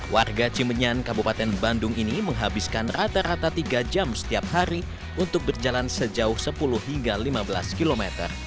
warga cimenyan kabupaten bandung ini menghabiskan rata rata tiga jam setiap hari untuk berjalan sejauh sepuluh hingga lima belas km